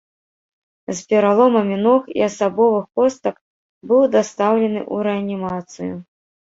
З пераломамі ног і асабовых костак быў дастаўлены ў рэанімацыю.